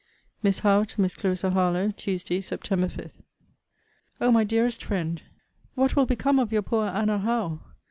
MISS HOWE, TO MISS CLARISSA HARLOWE TUESDAY, SEPT. 5. O MY DEAREST FRIEND! What will become of your poor Anna Howe!